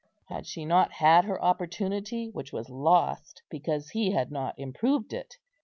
Had she not had her opportunity, which was lost because he had not improved it?